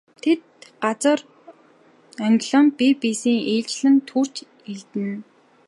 Тэд газар онгилон бие биесийг ээлжлэн түрж элдэнэ.